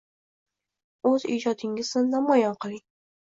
\O‘z ijodingni namoyon qil!\"ng"